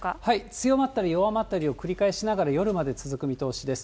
強まったり弱まったりを繰り返しながら、夜まで続く見通しです。